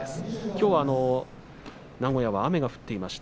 きょう名古屋は雨が降っています。